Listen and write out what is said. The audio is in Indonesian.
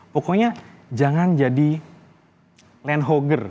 pokoknya jangan jadi land hogger